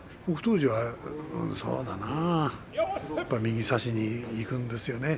富士は、そうだなやっぱり右差しにいくんですよね。